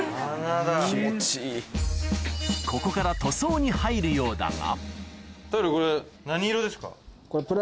ここから塗装に入るようだが棟梁。